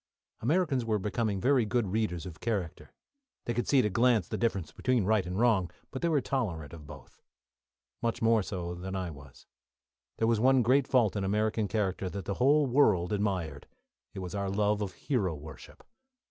Americans were becoming very good readers of character; they could see at a glance the difference between right and wrong, but they were tolerant of both. Much more so than I was. There was one great fault in American character that the whole world admired; it was our love of hero worship.